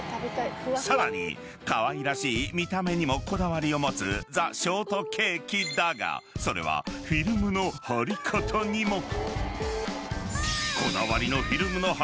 ［さらにかわいらしい見た目にもこだわりを持つザ・ショートケーキだがそれはフィルムの貼り方にも］